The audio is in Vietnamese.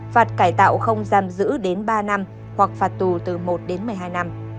phạt cải tạo không giam giữ đến ba năm hoặc phạt tù từ một đến một mươi hai năm